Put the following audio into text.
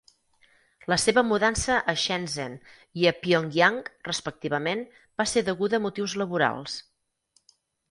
La seva mudança a Shenzhen i a Pyongyang, respectivament, va ser deguda a motius laborals.